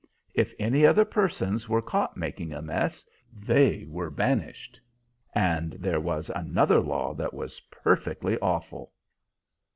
If any other persons were caught making a mess they were banished; and there was another law that was perfectly awful."